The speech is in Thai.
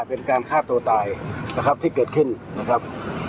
เป็นการฆ่าตัวตายนะครับที่เกิดขึ้นนะครับ